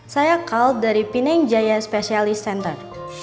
saya kalt dari pining jaya specialist center